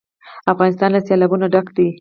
افغانستان له سیلابونه ډک دی.